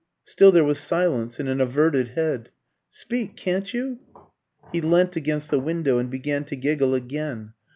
Still there was silence and an averted head. "Speak, can't you!" He leant against the window and began to giggle again.